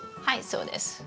はいそうです。